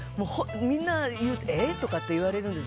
みんな、言うとえ？とかって言われるんです。